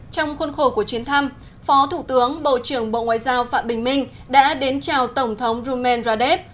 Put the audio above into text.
trong khuôn khổ của chuyến thăm phó thủ tướng bộ trưởng bộ ngoại giao phạm bình minh đã đến chào tổng thống rumen radev